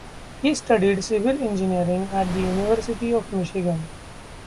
He studied civil engineering at the University of Michigan.